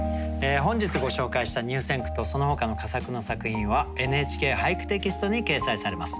本日ご紹介した入選句とそのほかの佳作の作品は「ＮＨＫ俳句」テキストに掲載されます。